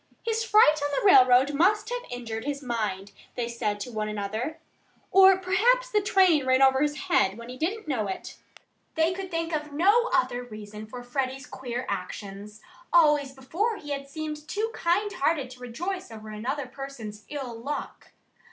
"His fright on the railroad must have injured his mind," they said to one another. "Or perhaps the train ran over his head when he didn't know it." They could think of no other reason for Freddie's queer actions. Always before he had seemed too kind hearted to rejoice over another person's ill luck.